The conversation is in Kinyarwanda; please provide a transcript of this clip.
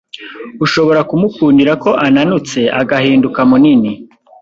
ushobora kumukundira ko ananutse agahinduka munini